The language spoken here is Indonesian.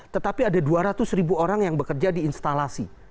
tetapi ada dua ratus ribu orang yang bekerja di instalasi